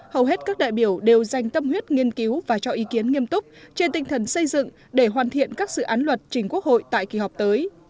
hầu hết các đại biểu đều dành tâm huyết nghiên cứu và cho ý kiến nghiêm túc trên tinh thần xây dựng để hoàn thiện các dự án luật trình quốc hội tại kỳ họp tới